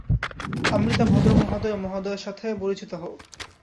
আমৃতা, ভদ্র মহোদয় ও মহোদয়ার সাথে পরিচিত হও।